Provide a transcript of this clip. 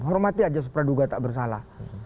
hormati aja supraduga tak bersalah